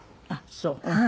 あっそう。